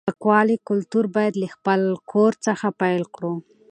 د پاکوالي کلتور باید له خپل کور څخه پیل کړو.